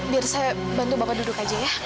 biar saya bantu bapak duduk aja ya